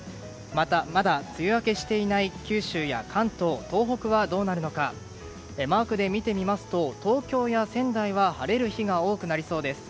まだ梅雨明けしていない九州や関東、東北はどうなるのかマークで見てみますと東京や仙台は晴れる日が多くなりそうです。